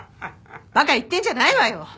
馬鹿言ってんじゃないわよ！